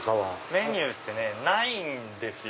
メニューってねないんですよ